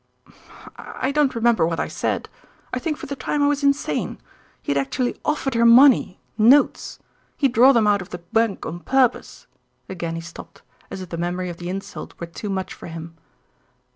"I don't remember what I said. I think for the time I was insane. He had actually offered her money, notes. He had drawn them out of the bank on purpose." Again he stopped, as if the memory of the insult were too much for him.